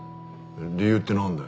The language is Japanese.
理由ってなんだよ？